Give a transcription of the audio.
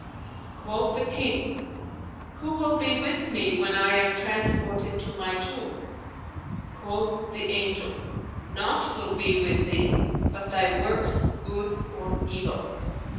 Quoth the King, "Who will be with me when I am transported to my tomb?" Quoth the Angel, "Naught will be with thee but thy works good or evil."